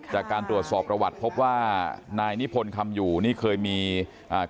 จากการตรวจสอบประวัติพบว่านายนิพนธ์คำอยู่นี่เคยมีอ่า